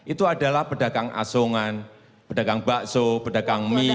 itu adalah pedagang asungan pedagang bakso pedagang mie